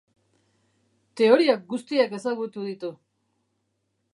Teoria guztiak ezagutu ditu.